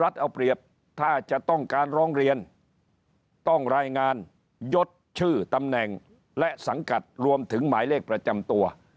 เอาเปรียบถ้าจะต้องการร้องเรียนต้องรายงานยดชื่อตำแหน่งและสังกัดรวมถึงหมายเลขประจำตัว